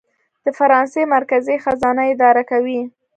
د فرانسې مرکزي خزانه یې اداره کوي.